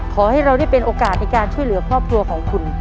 ขอให้เราได้เป็นโอกาสในการช่วยเหลือครอบครัวของคุณ